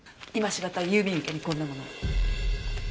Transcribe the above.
今しがた郵便受けにこんなものが。